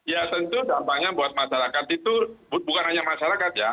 ya tentu dampaknya buat masyarakat itu bukan hanya masyarakat ya